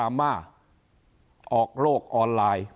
เขาก็ไปร้องเรียน